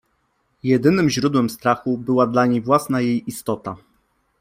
Jedynym źródłem strachu była dla niej własna jej istota.